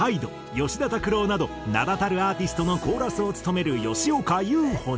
吉田拓郎など名だたるアーティストのコーラスを務める吉岡悠歩に。